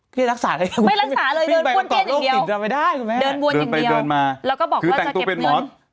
ไม่รักษาเลยเดินบวนเต้นอย่างเดียว